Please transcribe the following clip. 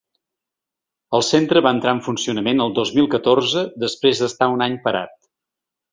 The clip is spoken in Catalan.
El centre va entrar en funcionament el dos mil catorze després d’estar un any parat.